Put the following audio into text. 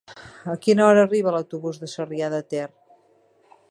A quina hora arriba l'autobús de Sarrià de Ter?